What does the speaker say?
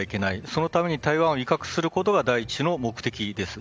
そのために台湾を威嚇することが第一の目的です。